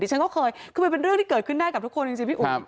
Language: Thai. ฉันก็เคยคือมันเป็นเรื่องที่เกิดขึ้นได้กับทุกคนจริงพี่อุ๋ย